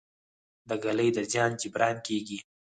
د ږلۍ د زیان جبران کیږي؟